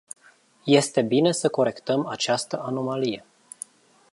Este bine să corectăm această anomalie.